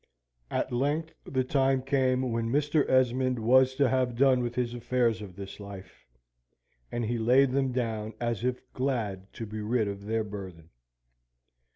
At length the time came when Mr. Esmond was to have done with the affairs of this life, and he laid them down as if glad to be rid of their burthen.